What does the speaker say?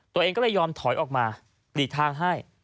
ตัวเองก็เลยยอมถอยออกมาหลีกทางให้